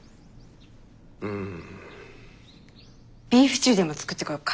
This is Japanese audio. ビーフシチューでも作ってこようか。